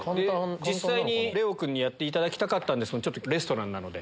実際にレオ君にやっていただきたかったですがレストランなので。